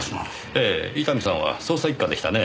ええ伊丹さんは捜査一課でしたね。